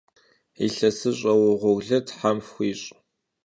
Yilhesış'e vuğurlı them fxuiş'!